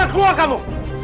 bisa keluar kamu